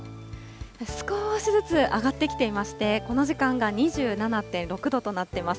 少しずつ上がってきていまして、この時間が２７．６度となっています。